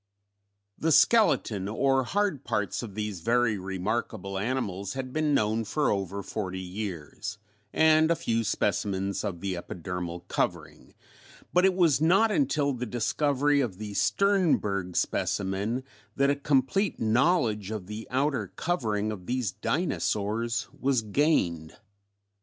"The skeleton or hard parts of these very remarkable animals had been known for over forty years, and a few specimens of the epidermal covering, but it was not until the discovery of the Sternberg specimen that a complete knowledge of the outer covering of these dinosaurs was gained.